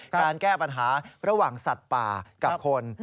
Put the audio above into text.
การแก้ปัญหาระหว่างสัตว์ป่ากับคน